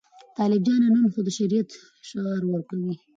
طالب جانه ته خو د شریعت شعار ورکوې.